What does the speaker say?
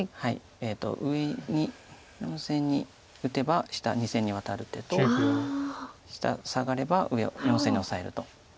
上に４線に打てば下２線にワタる手と下サガれば上４線にオサえると。